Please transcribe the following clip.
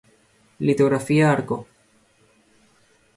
Litografía Arco.